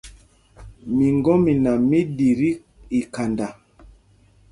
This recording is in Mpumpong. Miŋgɔ́mina mí ɗi tí ikhanda.